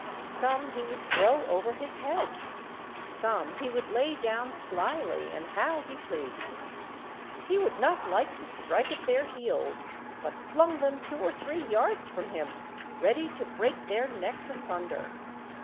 Some he would throw over his head, some he would lay down slyly and how he pleased. He would not like to strike at their heels, but flung them two or three yards from him, ready to break their necks asunder.